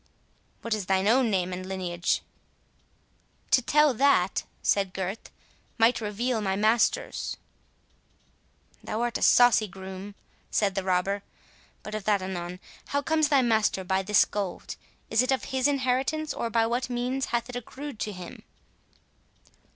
"What is thine own name and lineage?" "To tell that," said Gurth, "might reveal my master's." "Thou art a saucy groom," said the robber, "but of that anon. How comes thy master by this gold? is it of his inheritance, or by what means hath it accrued to him?"